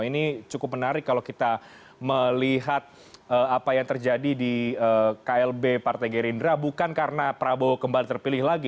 ini cukup menarik kalau kita melihat apa yang terjadi di klb partai gerindra bukan karena prabowo kembali terpilih lagi